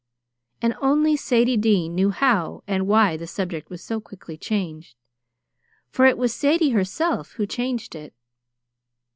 And only Sadie Dean knew how and why the subject was so quickly changed, for it was Sadie herself who changed it.